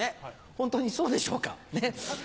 本当にそうでしょうか。